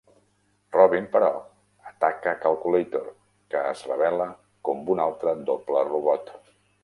Robin, però, ataca Calculator, que es revela com un altre doble robot.